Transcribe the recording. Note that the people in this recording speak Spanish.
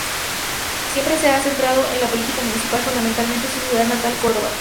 Siempre se ha centrado en la política municipal, fundamentalmente en su ciudad natal, Córdoba.